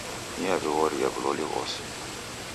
Niaw'ighoria w'uloli ghose